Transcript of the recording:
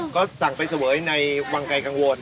ก็สั่งไปเสวยในวังไกลกังวล